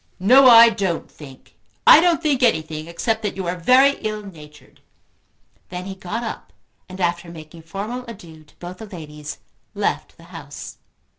"No, I don't think. I don't think anything except that you are very ill natured." Then he got up and, after making formal adieux to both the ladies, left the house.